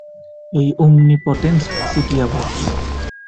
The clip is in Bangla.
এই ওমনিপটেন্স সিটি আবার কী?